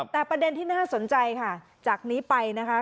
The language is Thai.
แต่ประเด็นที่น่าสนใจค่ะจากนี้ไปนะคะ